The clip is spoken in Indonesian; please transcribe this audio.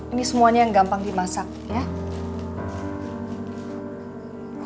ini semuanya yang gampang dimasak ya